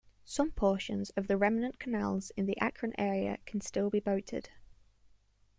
Some portions of the remnant canals in the Akron area can still be boated.